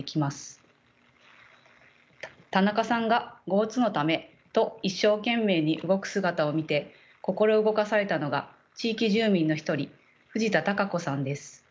田中さんが江津のためと一生懸命に動く姿を見て心動かされたのが地域住民の一人藤田貴子さんです。